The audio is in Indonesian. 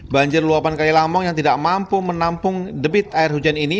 banjir luapan kali lamong yang tidak mampu menampung debit air hujan ini